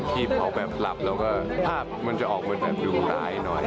ที่พอแบบหลับแล้วก็ภาพมันจะออกเหมือนดูร้ายน้อย